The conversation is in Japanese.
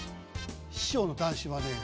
師匠の談志はね